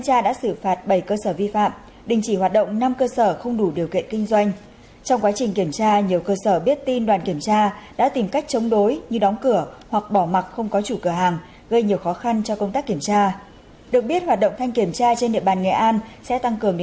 hãy đăng ký kênh để ủng hộ kênh của chúng mình nhé